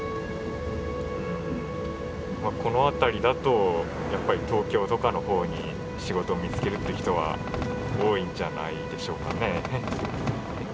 この辺りだとやっぱり東京とかの方に仕事を見つけるって人は多いんじゃないでしょうかね。